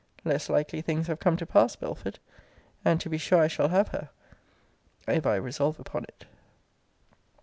Less likely things have come to pass, Belford. And to be sure I shall have her, if I resolve upon it.